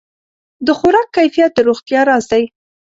د خوراک کیفیت د روغتیا راز دی.